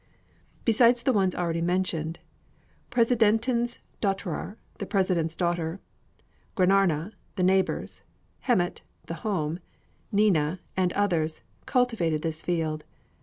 Besides the ones already mentioned, 'Presidentens Döttrar' (The President's Daughters), 'Grannarna' (The Neighbors), 'Hemmet' (The Home), 'Nina,' and others, cultivated this field.